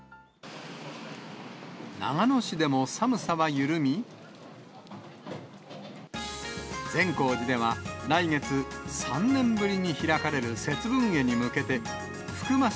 長野市でも寒さは緩み、善光寺では、来月３年ぶりに開かれる節分会に向けて、福ます